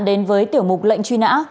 đến với tiểu mục lệnh truy nã